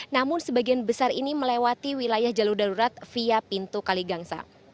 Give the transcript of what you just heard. namun sebagian besar ini melewati wilayah jalur darurat via pintu kaligangsa